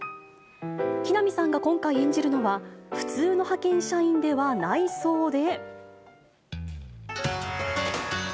木南さんが今回演じるのは、普通の派遣社員ではないそうで。